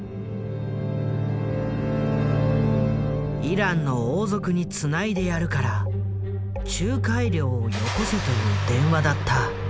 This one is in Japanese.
イランの王族につないでやるから仲介料をよこせという電話だった。